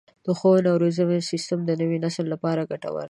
د ښوونې او روزنې سیستم باید د نوي نسل لپاره ګټور وي.